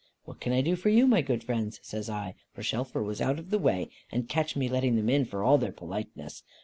'What can I do for you, my good friends?' says I; for Shelfer was out of the way, and catch me letting them in for all their politeness.